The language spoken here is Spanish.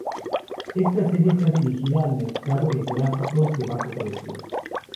Esta serie está dirigida al mercado de los gráficos de bajo precio.